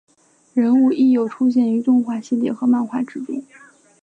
人物亦有出现于动画系列和漫画之中。